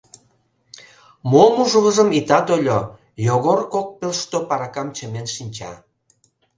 Мом ужмыжым итат ойло: Йогор кок пелштоп аракам чымен шинча.